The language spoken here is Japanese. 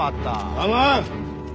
構わん！